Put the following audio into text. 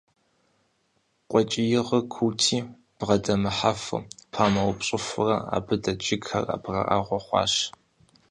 КъуэкӀийр куути, бгъэдэмыхьэфу, памыупщӀыфурэ, абы дэт жыгхэр абрагъуэ хъуащ.